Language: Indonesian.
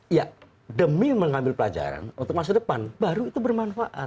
iya demi mengambil pelajaran untuk masa depan baru itu bermanfaat